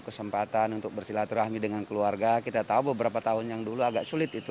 kesempatan untuk bersilaturahmi dengan keluarga kita tahu beberapa tahun yang dulu agak sulit itu